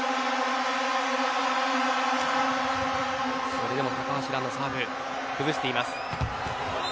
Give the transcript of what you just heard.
それでも高橋藍のサーブ崩しています。